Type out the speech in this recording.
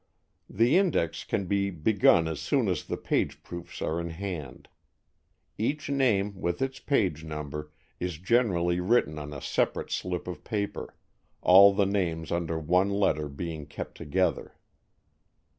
The index can be begun as soon as the page proofs are in hand. Each name, with its page number, is generally written on a separate slip of paper, all the names under one letter being kept together.